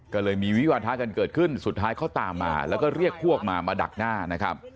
ก็เลยมีวิวาทะกันเกิดขึ้นสุดท้ายเขาตามมาแล้วก็เรียกพวกมามาดักหน้านะครับ